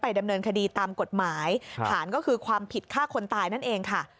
ดำเนินคดีตามกฎหมายฐานก็คือความผิดฆ่าคนตายนั่นเองค่ะ